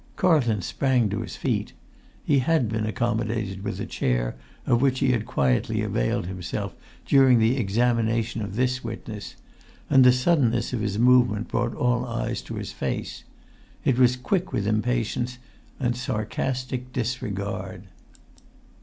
Carlton sprang to his feet. He had been accommodated with a chair, of which he had quietly availed himself during the examination of this witness, and the suddenness of his movement brought all eyes to his face. It was quick with impatience and sarcastic disregard.